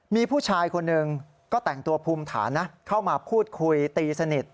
มีผู้ชายคนหนึ่งก็แต่งตัวภูมิฐานนะเข้ามาพูดคุยตีสนิท